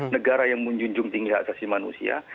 negara yang menjunjung tinggi hak asasi manusia